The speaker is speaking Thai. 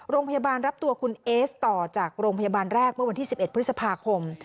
รับตัวคุณเอสต่อจากโรงพยาบาลแรกเมื่อวันที่๑๑พฤษภาคม